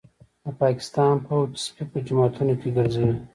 د پاکستان پوځ سپي په جوماتونو کي ګرځوي